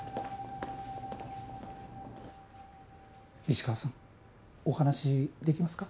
石川さんお話しできますか？